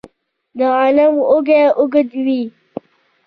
د غنمو وږی اوږد وي.